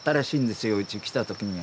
うち来た時には。